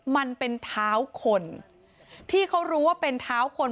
มันเป็นเท้าคนที่เขารู้ว่าเป็นเท้าคน